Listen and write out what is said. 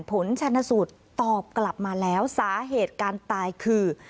ผลชนสูตรตอบกลับมาแล้วสาเหตุการตายคือ